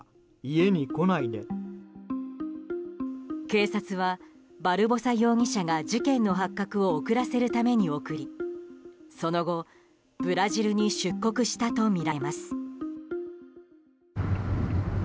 警察はバルボサ容疑者が事件の発覚を遅らせるために送りその後、ブラジルに出国したとみられます。